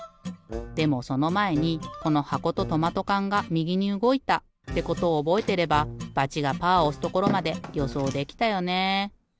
でもそのまえにこのはことトマトかんがみぎにうごいたってことをおぼえてればバチがパーをおすところまでよそうできたよね。